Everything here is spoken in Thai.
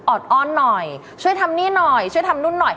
อดอ้อนหน่อยช่วยทำนี่หน่อยช่วยทำนู่นหน่อย